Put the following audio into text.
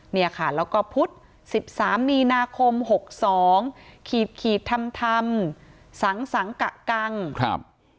เนี่ยค่ะแล้วก็พุธสิบสามมีนาคมหกสองขีดขีดทำทำสังสังกะกังครับ